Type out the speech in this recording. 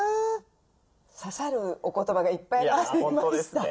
刺さるお言葉がいっぱいありましたね。